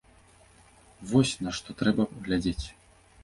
Вось на што трэба глядзець!